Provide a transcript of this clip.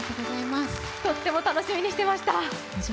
とっても楽しみにしてました。